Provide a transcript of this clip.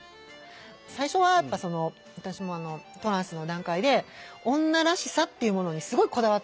最初はやっぱ私もトランスの段階で「女らしさ」っていうものにすごいこだわってたんですよ。